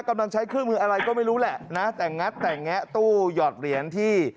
กำลังใช้เครื่องมืออะไรก็ไม่รู้แหละนะแต่งงัดแต่งแงะตู้หยอดเหรียญที่